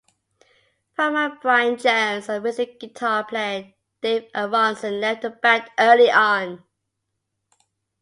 Frontman Bryan Jones and rhythm guitar player Dave Aronson left the band early on.